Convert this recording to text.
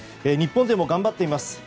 日本勢も頑張っています。